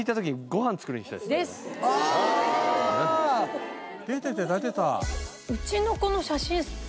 出てた出てた。